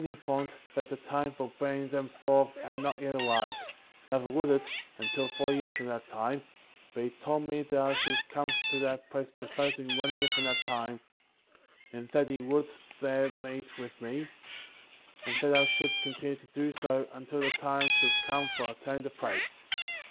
informed that the time for bringing them forth had not yet arrived, neither would it, until four years from that time; but he told me that I should come to that place precisely in one year from that time, and that he would there meet with me, and that I should continue to do so until the time should come for obtaining the plates.